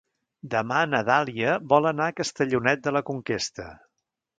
Demà na Dàlia vol anar a Castellonet de la Conquesta.